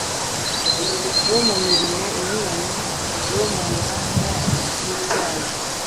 bo mu mirimo inyuranye bo mu nganda z ibyayi